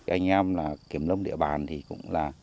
anh em kiểm lông địa bàn thì cũng là